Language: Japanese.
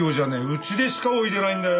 うちでしか置いてないんだよ。